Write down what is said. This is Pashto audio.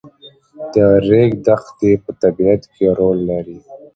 د ریګ دښتې په طبیعت کې رول لري.